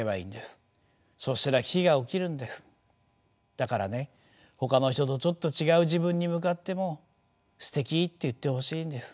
だからねほかの人とちょっと違う自分に向かっても「すてき！」って言ってほしいんです。